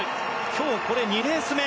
今日、これ２レース目。